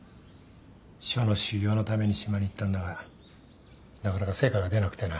書の修行のために島に行ったんだがなかなか成果が出なくてな。